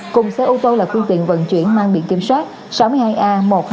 cùng xe ô tô là khuyên tiện vận chuyển mang biện kiểm soát sáu mươi hai a một mươi hai nghìn hai mươi chín